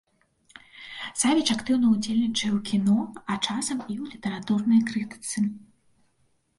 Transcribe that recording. Савіч актыўна ўдзельнічае ў кіно, а часам і ў літаратурнай крытыцы.